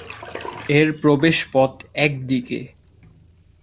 এর প্রবেশ পথ একদিকে।